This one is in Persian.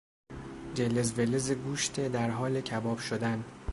جلز ولز گوشت در حال کباب شدن